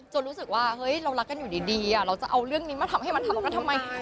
รู้สึกว่าเฮ้ยเรารักกันอยู่ดีเราจะเอาเรื่องนี้มาทำให้มันทำกันทำไม